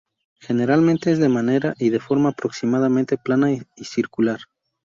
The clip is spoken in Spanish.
Generalmente es de madera y de forma aproximadamente plana y circular.